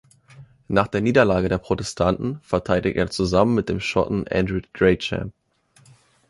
Nach der Niederlage der Protestanten verteidigte er zusammen mit dem Schotten Andrew Gray Cham.